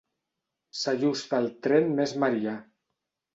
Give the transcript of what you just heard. S'ajusta al tren més marià.